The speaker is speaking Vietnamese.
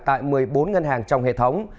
tại một mươi bốn ngân hàng trong hệ thống